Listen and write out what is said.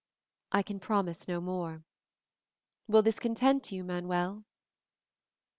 I can promise no more. Will this content you, Manuel?"